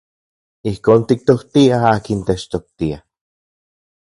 Ijkon tiktoktiaj akin techtoktia.